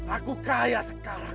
aku kaya sekarang